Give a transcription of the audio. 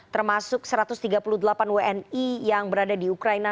termasuk satu ratus tiga puluh delapan wni yang berada di ukraina